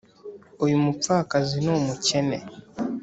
uyu mupfakazi ni umukene